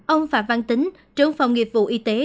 ông phạm văn tính trưởng phòng nghiệp vụ y tế